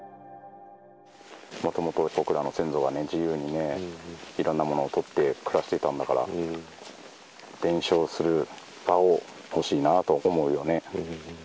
もともと僕らの先祖が自由にね、いろんなものをとって暮らしていたんだから、伝承する場を欲しいなと思うよね。